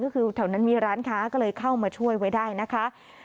ก็คือแถวนั้นมีร้านค้าก็เลยเข้ามาช่วยไว้ได้นะคะ